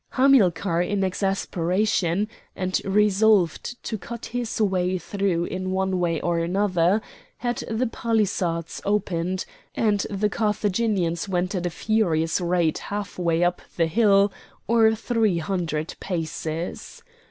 Hamilcar in exasperation, and resolved to cut his way through in one way or another, had the palisades opened; and the Carthaginians went at a furious rate half way up the hill or three hundred paces.